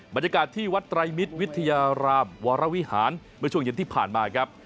บรรยากาศที่วัดไตรมิตรวิทยารามวรวิหารเมื่อช่วงเย็นที่ผ่านมาครับ